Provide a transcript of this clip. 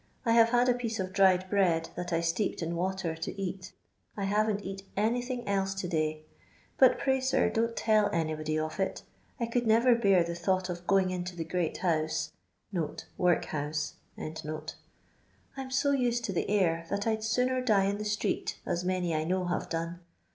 I hare had a pitee of dried bread that I steeped in water to eat. I haven't eat anytbine else to^y ; bat, pray, sir, don't tell anybody of it. I e«mld nerer bear the thought of going into the ' great house' [workhousel ; I'm so used to the air, that I 'd sooner die in the street, as many I know have done.